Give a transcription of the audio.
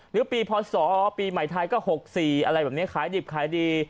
หรือปีพศปีใหม่ไทยก็๖๔อะไรแบบนี้ขายดิบขายดี